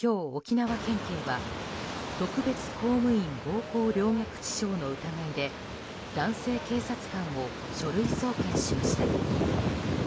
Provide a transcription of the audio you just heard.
今日、沖縄県警は特別公務員暴行陵虐致傷の疑いで男性警察官を書類送検しました。